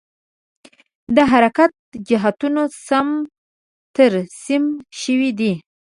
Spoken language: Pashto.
د حرکت جهتونه سم ترسیم شوي دي؟